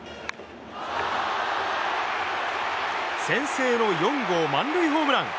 先制の４号満塁ホームラン！